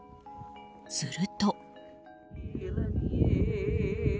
すると。